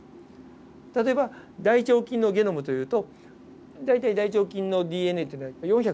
例えば大腸菌のゲノムというと大体大腸菌のＤＮＡっていうのは４６０万塩基対。